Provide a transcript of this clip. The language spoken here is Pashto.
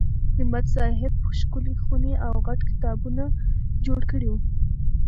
همت صاحب ښکلې خونې او غټ کتابتون جوړ کړی و.